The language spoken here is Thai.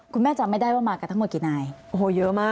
คุณแม่จำไม่ได้ว่ามากันทั้งหมดกี่นายโอ้โหเยอะมาก